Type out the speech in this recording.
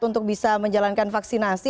untuk bisa menjalankan vaksinasi